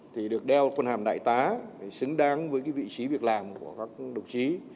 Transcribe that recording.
thì được đeo phần hàm đại tá xứng đáng với vị trí việc làm của các đồng chí